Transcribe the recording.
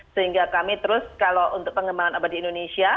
sehingga kami terus kalau untuk pengembangan obat di indonesia